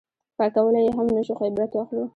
پاک کولی یې هم نه شو خو عبرت واخلو.